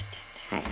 はい。